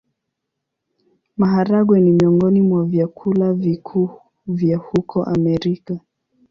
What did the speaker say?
Maharagwe ni miongoni mwa vyakula vikuu vya huko Amerika.